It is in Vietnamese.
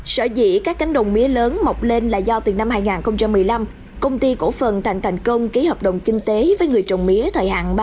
sở dĩ các cánh đồng mía lớn mọc lên là do từ năm hai nghìn một mươi năm công ty cổ phần thành thành công ký hợp đồng kinh tế với người trồng mía thời hạn ba